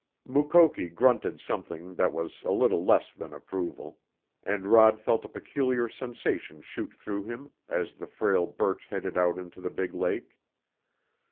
Mukoki grunted something that was a little less than approval, and Rod felt a peculiar sensation shoot through him as the frail birch headed out into the big lake.